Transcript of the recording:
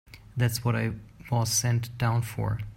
That's what I was sent down for.